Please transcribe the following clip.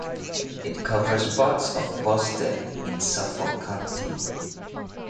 It covers parts of Boston in Suffolk County.